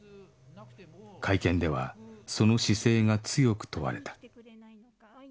会見ではその姿勢が強く問われた